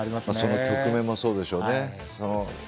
局面もそうでしょうね。